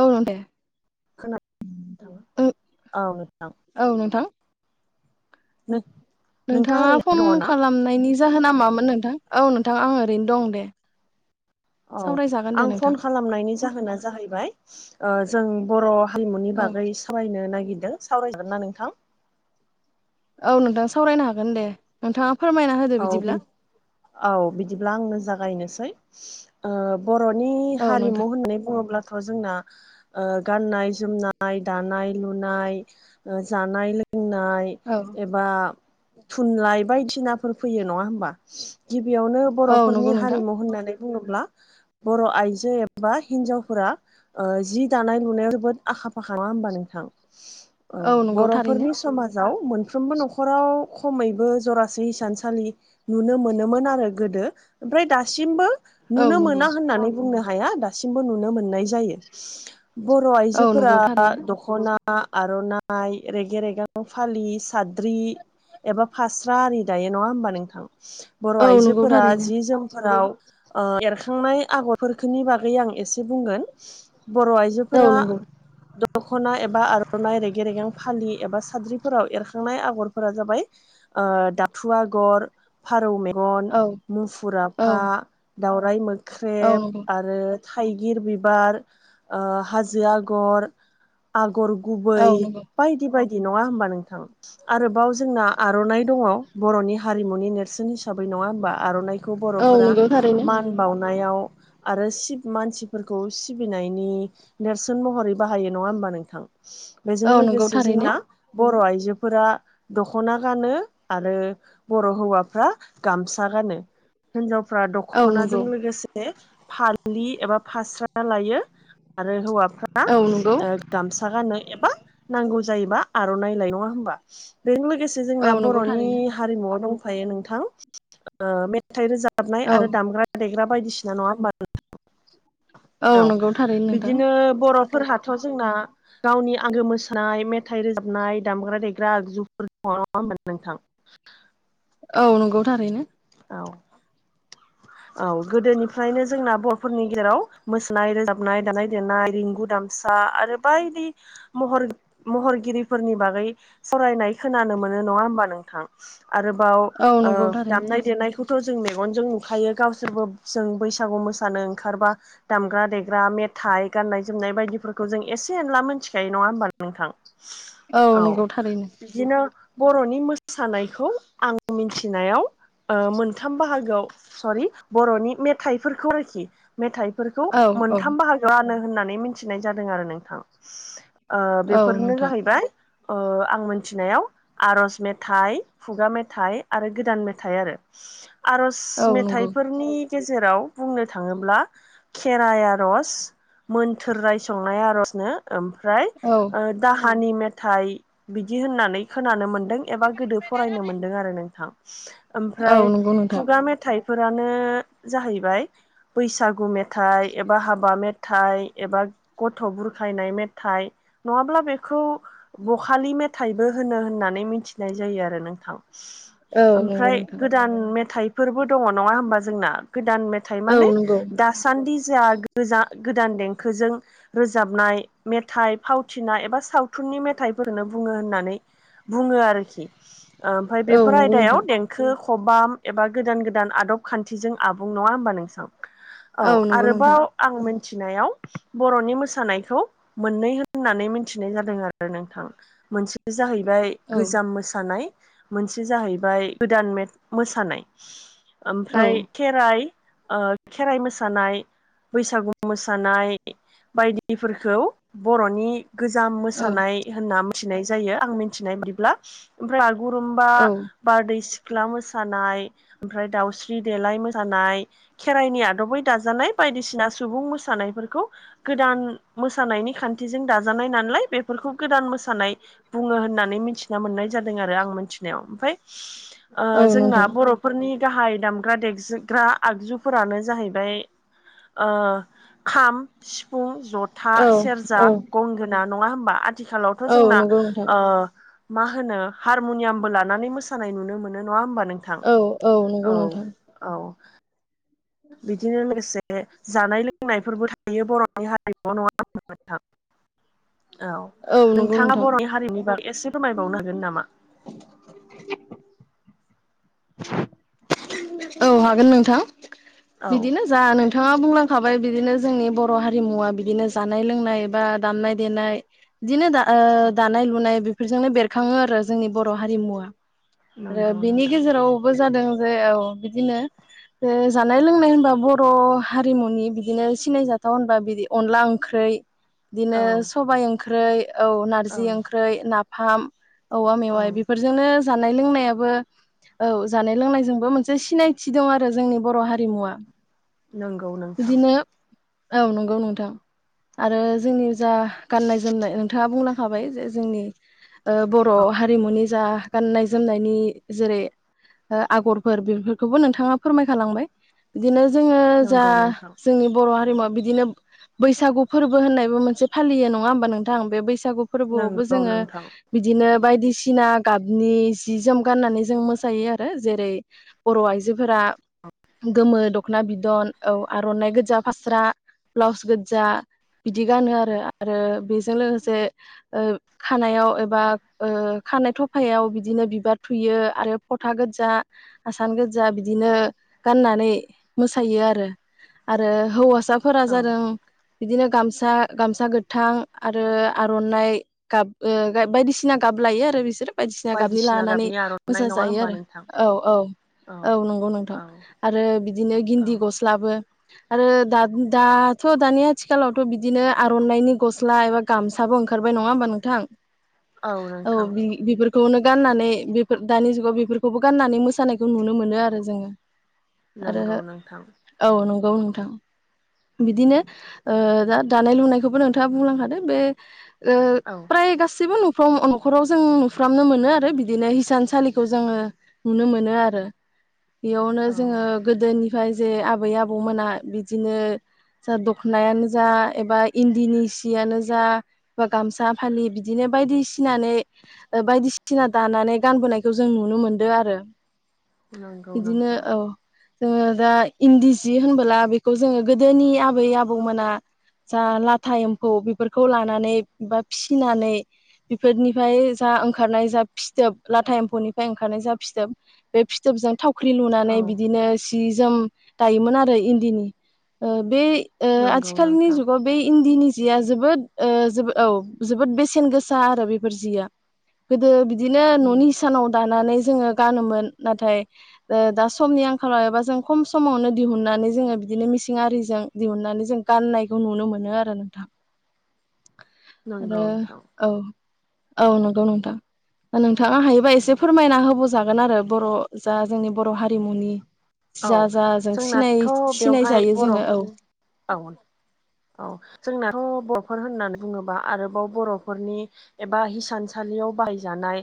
औ दे। खोनादों औ नोंथां। औ नोंथां [unintelligible] नोंथाङा ओरैनो फन दङ ना खालामनायनि जाहोना मामोन? नोंथां औ नोंथां आं ओरैनो दं दे। औ सावरायजागोन दे आं नोंथां फन खालामनायनि जाहोना जाहैबाय ओ जों बर' हारिमुनि औ बागै सावरायनो नागिरदों। सावराय जागोन ना नोंथां? औ नोंथां सावरायनो हागोन दे। नोंथाङा फोरमायना होदो औ बि बिदिब्ला। औ बिदिब्ला आंनो जागायनोसै ओ बर'नि औ हारिमु नोंथां होननानै बुङोब्ला थ' जोंना ओ गाननाय जोमनाय दानाय लुनाय जानाय लों नाय औ एबा थुनलाइ बायदिसिनाफोर फैयो नङा होमबा। गिबियावनो औ बर'फोरनि नंगौ नोंथां हारिमु होननानै बुङोब्ला बर' आइजो एबा हिनजावफोरा ओ जि दानाय लुनायाव जोबोद आखा फाखा नङा होमबा नोंथां? औ नंगौ थारैनो बर'फोरनि समाजाव मोनफ्रोमबो न'खराव खमैबो जरासे हिसान सालि नुनो मोनोमोन आरो गोदो ओमफ्राय दासिमबो औ नुनो नंगौ मोना होननानै बुंनो हाया दासिमबो नुनो मोननाय जायो। बर' औ नंगौ आइजोफोरा थारैनो दख'ना आर'नाइ रेगे रेगां फालि साद्रि एबा फास्रा आरि दायो नङा होमबा नोंथां? बर' औ नंगौ आइजोफोरा थारैनो जि जोमफोराव ओ एरखांनाय आगर फोरखोनि बागै आं एसे बुंगोन। बर' औ आइजोफोरा नंगौ दख'ना एबा आर'नाइ रेगे रेगां फालि एबा साद्रिफोराव एरखांनाय आगरफोरा जाबाय ओ दाब थु आगर फारौ मेगन औ औ मुफुराफा दावराय मो औ ख्रेब नंगौ आरो थाइगिर बिबार ओ हाजो आगर आग आगर औ गुबै नंगौ बायदि बायदि नङा होमबा नोंथां आरोबाव जोंना आर'नाइ दङ। बर'नि हारिमुनि नेरसोन हिसाबै नङा होमबा आर'नाइ खौ औ बर'फोरा नंगौ थारैनो मान बानायाव आरो सिफ मानसिफोरखौ सिबिनायनि नेरसोन महरै बाहायो नङा होमबा नोंथां । बेजों औ नंगौ लोगोसे थारैनो जोंना बर' आइजोफोरा दख'ना गानो आरो बर' हौवाफ्रा गामसा गानो हिनजाव फ्रा औ दखनाजों नंगौ लोगोसे फालि एबा फास्रा लायो आरो हौवा फ्रा औ नंगौ गामसा गानो एबा नांगौ जायोबा आर'नाइलाय नङा हबा बेजों लोगोसे औ जोंना बर' नंगौ थारैनो न दंफायो नोंथां ओ मेथाइ रोजाबनाय औ आरो दामग्रा देग्रा बायदिसिना नङा होमबा नोंथां औ नंगौ थारैनो नोंथां बिदिनो बर' फोरहाथ' जोंना गावनि आंगो मोसानाय मेथाइ रोजाबनाय दामग्रा देग्रा आगजुफोर दंङ नङा होमबा नों थां औ नंगौ थारैनो औ औ गोदोनिफ्रायनो जोंना बर'फोरनि गेजेराव मोसानाय रोजाबनाय दामानाय देनाय रिंगु दाम फिसा आरो बायदि महर-महरगिरिफोरनि बागै फरायनाय खोनानो मोन नंङा होनबा नोंथां आरोबाव औ ओ नंगौ थारैनो दामनाय देनायखौथ' जों मेगनजों नुखायो गावसोरबो जों बैसागु मोसानो ओंखारबा दामग्रा देग्रा मेथाइ गाननाय जोमनाय बायदि फोरखौ जों एसे एनला मोनथिखायो नङा होनबा नोंथां औ नंगौ थारैनो बिदिनो बर'नि मोसानायखौ आं मोनथिनायाव ओ मोनथाम बाहागोआव सरि बर'नि मेथाइफोरखौ आरोखि मेथाइफोरखौ औ औ मोनथाम बाहागो रानो होननानै मिथिनाय जादों आरो नोंथां ओ औ बेफोरनो नोंथां जाहैबाय अ आं मोनथिनायाव आरज मेथाइ खुगा मेथाइ आरो गोदान मेथाइ आरो आर'ज औ नंगौ मेथाइ नि गेजेराव बुंनो थाङोब्ला खेराइ आरज मोन्थोर रायसंनाय आर'जनो ओम नाय औ दाहानि मेथाइ बिदि होननानै खोनानो मोन एबा गोदो फरायनो मोनदों आरो नोंथां औ ओमफ्राय नंगौ नोंथां खुगा मेथाइफो रानो जाहैबाय बैसागु मेथाइ एबा हाबा मेथाइ एबा गथ' बुरखायनाय मेथाइ नङाब्ला बेखौ बखालि मेथाइबो होनो होननानै मिथिनाय जायो आरो नोंथां। औ नंगौ ओमफ्राय नोंथां गोदान मेथाइफोरबो दंङ नङा होमबा जोंना गोदान मेथाइ औ माने नंगौ दासान्दि जा गोजा-गोदान देंखोजों रोजाबनाय मेथाइ फावथिनाय एबा सावथुन नि मेथाइ फोरनो बुंङो होननानै बुङो आरोखि ओमफ्राय औ बेफोर नंगौ आयदायाव नोंथां देंखो खबाम एबा गोदान गो दान आदब खान्थिजों आबुं नङा होमबा नोंसाव औ नंगौ नोंथां आरोबाव आं मोन थिनायाव बर'नि मोसानायखौ मोननै होननानै मिथिनाय जादों आरो नोंथां। मोनसे जाहैबाय औ गोजाम मोसानाय। मोनसे जाहैबाय गोदान मेट मोसानाय औ ओमफ्राय खेराइ ओ‌ खेराइ मोसानाय। बैसागु मोसानाय बायदिफोरखौ बर'नि गोजाम औ मोसानाय होनना मोनथिनाय जायो आं मिथिनाय बिदिब्ला ओमफ्राय बागुरुम्बा औ बारदै सिख्ला मोसानाय। ओमफ्राय दाउस्रि देलाय मोसानाय खेराइनि आदबबै दाजानाय बायदिसिना सुबुं मोसानायफो रखौ मोसानायनि खान्थिजों दाजानाय नालाय बेफोरखौ गोदान मोसानाय बुं बुंङो होननानै मिथिनामोननाय जादों आरो आं मोनथिनायाव ओमफ्राय औ जोंना नोंथां बर' नि गाहाय दामग्रा देगजग्रा आगजुफोरानो जाहैबाय ओ खाम सिफुं जथा औ सेरजा औ गंगोना नङा होमबा आथिखालावथ' औ जोंना नंगौ नोंथां ओ मा होनो हारम'नियामबो लानानै मोसानाय नुनो मोनो नङा होमबा नोंथां। औ औ नंगौ नोंथां। औ। बिदिनो लोगोसे जानाय लोंनायफोरबो थायो बर'नि हारिमुआव नङा होनबा नोंथां। औ नंगौ नोंथाङा नोंथां बर'नि हारिनि बागै एसे फोरमायबावनो हागोन नामा। [inaudible] औ हागोन नोंथां औ बिदिनो जा नोंथाङा बुंलां खाबाय बिदिनो जोंनि बर' हारिमुवा बिदिनो जानाय लोंनाय बा दामनाय देनाय बिदिनो दा औ दानाय लुनाय बेफोरजोंनो बेरखाङो आरो जोंनि बर' हारिमुवा आरो नंगौ बिनि नोंथां गेजेरावबो जादों जे औ बिदिनो जानाय लोंनाय होनबा बर' हारिमुनि बिदिनो सिनायजाथाव होनबा बिदि अनला ओंख्रि बिदिनो औ सबाय ओंख्रि औ औ नारजि ओंख्रि, नाफाम। औवा औ मेवाइ बेफोरजोंनो जानाय लोंनायाबो औ जानाय लोंनायजोंबो मोनसे सिनायथि दं आरो जोंनि बर' हारिमुवा नंगौ नोंथां। बिदिनो औ नंगौ नोंथां आरो जोंनि जा गाननाय जोमनाय नोंथाङा बुंलां खाबाय जे जोंनि बर' औ हारिमुनि जा गाननाय जोमनायनि जेरै आगर। फोर बेफोरखौबो नोंथाङा फोरमायखालांबाय बिदिनो जोङो जा नंगौ नोंथां जोंनि बर' बिदिनो बैसागु फोरबो होननायबो मोनसे फालियो नङा होनबा नोंथां बे बैसागु बैसागु फोरबोआवबो नंगौ जोङो नोंथां बिदिनो बायदिसिना गाबनि सि जोम गाननानै जों मोसायो आरो जेरै बर' आइजोफोरा। गोमो दख'ना बिदन औ आर'नाइ गोजा फास्रा ब्लाउस गोजा। बिदि गानो आरो आरो बेजों लोगोसे खानायाव एबा खानाय खफायाव बिदिनो बिबार थुयो आरो फोथा गोजा। आसान गोजा बिदिनो गाननानै मोसायो आरो आरो हौवा साफोरा औ जादों बिदिनो गामसा गामसा गोथां आरो आर'नाइ गाब बायदिसिना गाब लायो आरो बिसोर बायदिसिना गाबनि लानानै आर'नाइ मोसा नङा जायो होमबा आरो नोंथां औ औ औ नंगौ नोंथां औ आरो बिदिनो औ गिन्दि गस्लाबो आरो दाथ' दानि आथिखालावथ' बिदिनो आर'नाइनि गस्ला एबा गामसा बो ओंखारबाय नङा होमबा नोंथां। औ बेफोरखौनो गाननानै बे दानि जुगाव बेफोरखौ बेखौबो गाननानै मोसानायखौ नुनो मोनो आरो जोङो। आरो नोंगौ नोंथां। औ, नंगौ नोंथां बिदिनो ओ, दा दानाय लुनायखौबो नोंथाङा बुंलांखादों बे ओ, औ फ्राय गासिबो नु फ्रम न'खराव जों नुफ्रामनो मोनो आरो बिदिनो हिसानसालिखौ जोङो नुनो मोनो आरो बेयावनो औ जोङो गोदोनि ओमफ्राय जे आबै आबौमोना बिदिनो जा दखनायानो जा एबा इन्दिनि सियानो जा बा गामसा फालि बिदिनो बायदिसि बायदिसिना दानानै गानबोनायखौ जों नुनो मोनदों आरो नंगौ बिदिनो नोंथां। औ जोङो दा इन्दि सि होनबोला बेखौ जोङो गोदोनि आबै आबौमोना जा लाथा एम्फौ बेफोरखौ लानानै बा फिसिनानै बिफोरनिफ्राय जा ओंखारनाय जा फिथोब लाथा एम्फौनिफ्राय ओंखारनाय जा फिथोब बे फिथोबजों थावख्रि लुनानै औ बिदिनो जि-जोम दायोमोन आरो इन्दिनि। ओ, बे ओ, नंगौ आथिखालनि नोंथां जुगाव बे इन्दिनि जिया जोबोद ओ, औ, औ जोबोद बेसेन गोसा आरो बेफोर जिया गोदो बिदिनो न'नि इसानाव दानानै जोङो गानोमोन नाथाय ओ, दा समनि आंखालाव एबा जों खम समावनो दिहुननानै जोङो बिदिनो मिसिं आरिजों दिहुननानै जों गान्नायखौ नुनो मोनो आरो नोंथां [inaudible] [unintelligible] आरो नंगौ नोंथां औ औ नंगौ नोंथां नोंथाङा हायोबा एसे औ फोरमायना होबावजागोन आरो बर' जा जोंनि बर' हारिमुनि औ जा जा जों सिनाय जोंनाथ' बेवहाय सिनायजायो जोङो औ बर'फोरनि औ औ जोंनाथ' बर'फोर होननानै बुङोबा आरोबाव बर'फोरनि एबा हिसानसालियाव बाहायजानाय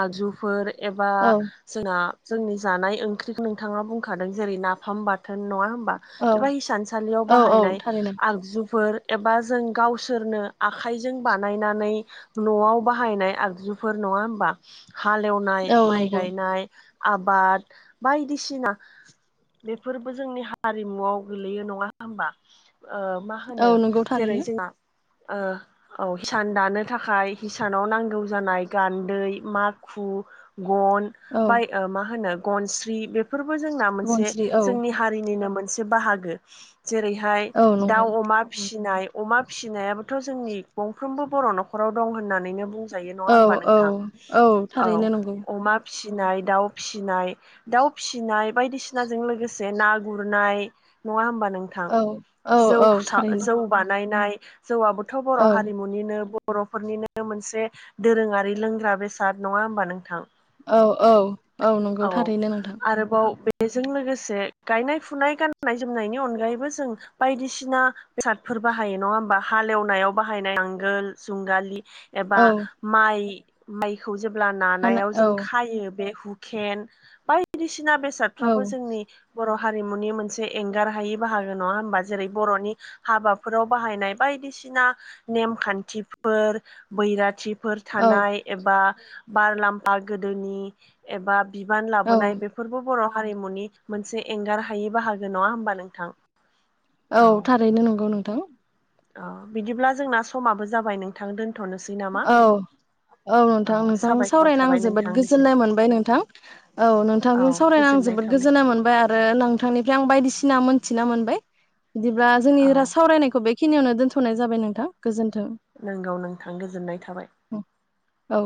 आगजुफोर एबा औ जोंना जोंनि जानाय ओंख्रिखौ नोंथाङा बुंखादों जेरै नाफाम बाथोन नङा होन औ एबा हिसानसालियाव औ औ बाहायनाय थारैनो आगजुफोर एबा जों गावसोरनो आखाइजों बानायनानै न'आव बाहायनाय आगजुफोर नङा होमबा? हालेवनाय औ माइ नंगौ गायनाय आबाद बाइदिसिना बेफोरबो जोंनि हारिमुआव गोलैयो नङा होमबा? ओ, मा औ होनो नंगौ जेरै थारैनो जोंना ओ, औ हिसान दानो थाखाय हिसानाव नांगौ जानाय गान्दै, माखु गन, औ फाय ओ, मा होनो! गनस्रि बे बेफोरबो जोंना मोनसे बनस्रि औ जोंनि हारिनिनो मोनसे बाहागो जेरैहाय औ नंगौ दाउ अमा फिसिनाय अमा फिसिनायाबोथ' जोंनि गंफ्रोमबो बर' न'खराव दं होननानैनो बुं यो, औ नङा होमबा औ नोंथां? औ थारैनो नंगौ अमा फिसिनाय दाउ फिसिनाय दाउ फिसिनाय बायदिसिनाजों लोगोसे ना गुरनाय नङा होमबा नोंथां? औ औ जौ औ सा, थारैनो जौ बानो नायनाय जौआबोथ' बर' औ हारिमुनिनो बर'फोरनिनो मोनसे दोरोङारि लोंग्रा बेसाद नङा होमबा नोंथां? औ औ औ नंगौ थारैनो नोंथां आरोबाव बेजों लोगोसे गायनाय फुनाय गाननाय जोमनायनि अनगायैबो जों बायदिसिना बेसादफोर बाहायो नङा होमबा? हालेवनायाव बाहायनाय नांगोल जुंगालि एबा औ माइ, माइखौ जेब्ला हाना नानायाव औ जों खायो बे हुकेन बायदिसिना औ बेसादफ्राबो जोंनि बर' हारिमुनि मोनसे एंगार हायि बाहागो नङा होमबा जेरै बर'नि हाबाफोराव बाहायनाय बायदिसिना नेम खान्थिफोर बैराथिफोर औ थानाय एबा बारलाम्फा गोदोनि एबा बिबान औ लाबोनाय बेफोरबो बर' हारिमुनि मोनसे एंगार हायै बाहागो नङा होमबा नोंथां औ थारैनो नंगौ नोंथां अ बिदिब्ला जोंना समाबो जाबाय नोंथां दोन्थ'नोसै नामा औ औ नोंथां नोंथांजों साबायखर सावरायनो आं थाबाय जोबोद नोंथांनिसिम गोजोननाय मोनबाय नोंथां औ औ नोंथांजों सावरायनो आं गोजोननाय जोबोद थाबाय गोजोननाय मोनबाय आरो नोंथांनिफ्राय आं बायदिसिना मोन मिथिना मोनबाय बिदिब्ला जोंनि नोंथां राज औ सावरायनायखौ बेखिनियावनो दोनथ'नाय जाबाय नोंथां गोजोन्थों नोंगौ नोंथां गोजोननाय थाबाय। औ